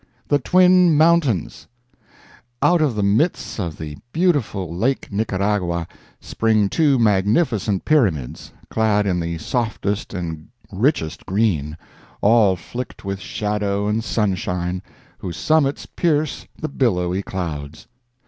THE TWIN MOUNTAINS Out of the midst of the beautiful Lake Nicaragua spring two magnificent pyramids, clad in the softest and richest green, all flecked with shadow and sunshine, whose summits pierce the billowy clouds.